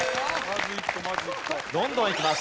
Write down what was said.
どんどんいきます。